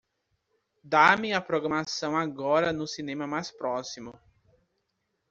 Dá-me a programação agora no cinema mais próximo